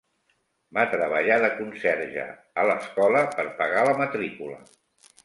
Va treballar de conserge a l'escola per pagar la matrícula.